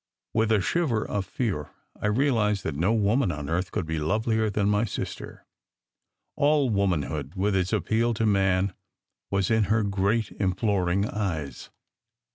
With a shiver of fear, I realized that no woman on earth could be lovelier than my sister. All womanhood, with its appeal to man, was in her great imploring eyes.